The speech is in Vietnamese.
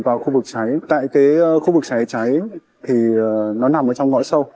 vào khu vực cháy tại cái khu vực cháy cháy thì nó nằm ở trong ngõ sâu